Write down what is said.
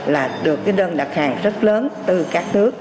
là được cái đơn đặt hàng rất lớn từ các nước